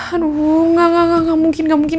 aduh gak mungkin gak mungkin